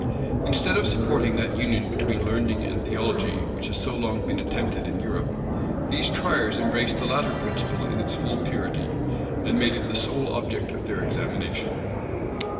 Instead of supporting that union between learning and theology, which has so long been attempted in Europe, these tryers embraced the latter principle in its full purity, and made it the sole object of their examination.